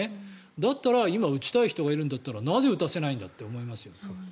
だったら今、打ちたい人がいるならなぜ打たせないんだと思いますよ。